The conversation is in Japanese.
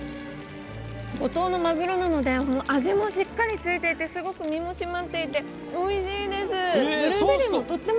五島のマグロなので味もしっかりついていてすごく身も締まっていてとてもおいしいです！